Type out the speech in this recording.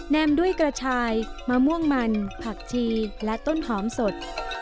ด้วยกระชายมะม่วงมันผักชีและต้นหอมสด